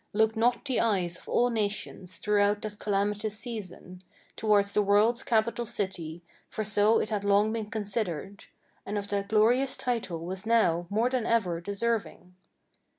Looked not the eyes of all nations, throughout that calamitous season, Towards the world's capital city, for so it had long been considered, And of that glorious title was now, more than ever, deserving?